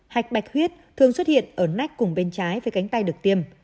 hạch bạch huyết thường xuất hiện ở nách cùng bên trái với cánh tay được tiêm